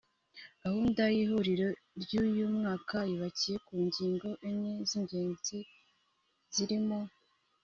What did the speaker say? Gahunda y’ihuriro ry’uyu mwaka yubakiye ku ngingo enye z’ingengi zirimo